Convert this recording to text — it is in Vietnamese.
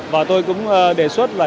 và tôi cũng đề xuất là